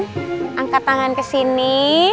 dia angkat tangan ke sini